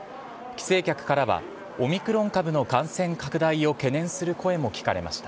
帰省客からは、オミクロン株の感染拡大を懸念する声も聞かれました。